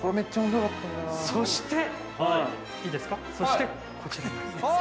そして、そしてこちらです。